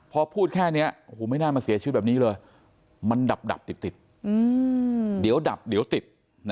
พอพูดแค่นี้ไม่น่ามาเสียชีวิตแบบนี้เลยมันดับติดเดี๋ยวดับเดี๋ยวติด